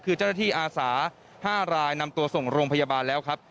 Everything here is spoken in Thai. คือเจ้าหน้าที่อาสา๕รายนำตัวส่งโรงพยาบาลแล้วครับ